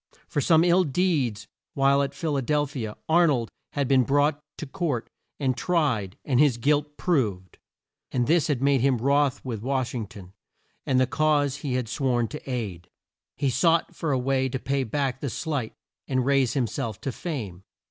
For some ill deeds while at Phil a del phi a Ar nold had been brought to court and tried and his guilt proved, and this had made him wroth with Wash ing ton, and the cause he had sworn to aid. He sought for a way to pay back the slight and raise him self to fame.